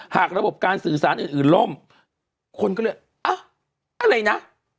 ระบบการสื่อสารอื่นล่มคนก็เลยอ่ะอะไรนะ